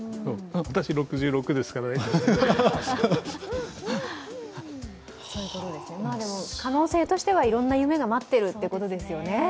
私、６６ですからね可能性としては、いろんな夢が待っているということですよね。